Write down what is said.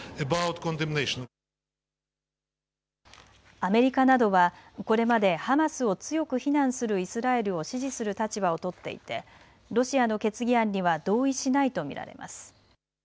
アメリカなどはこれまでハマスを強く非難するイスラエルを支持する立場を取っていてロシアの決議案には同意しないと見られます。